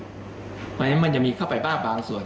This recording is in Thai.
เพราะฉะนั้นมันจะมีเข้าไปบ้างบางส่วน